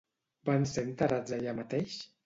Van ser enterrats allà mateix?